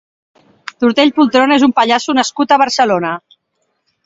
Tortell Poltrona és un pallasso nascut a Barcelona.